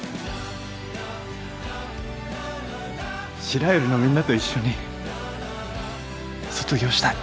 白百合のみんなと一緒に卒業したい。